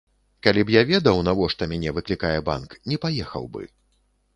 Калі б я ведаў, навошта мяне выклікае банк, не паехаў бы.